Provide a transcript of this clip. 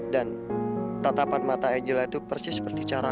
dan tatapan mata angela itu persis seperti cara angela